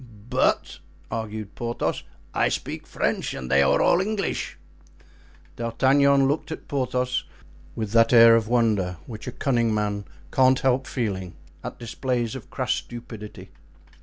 "But," argued Porthos, "I speak French and they are all English." D'Artagnan looked at Porthos with that air of wonder which a cunning man cannot help feeling at displays of crass stupidity.